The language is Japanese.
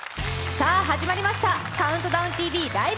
さあ、始まりました「ＣＤＴＶライブ！